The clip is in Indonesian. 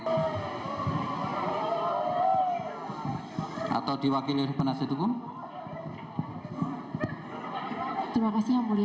kepada jaksa penuntut umum apakah akan mengajukan upaya hukum